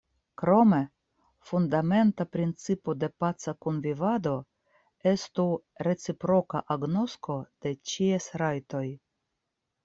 Krome, fundamenta principo de paca kunvivado estu reciproka agnosko de ĉies rajtoj.